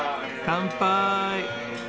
乾杯。